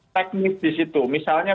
teknis disitu misalnya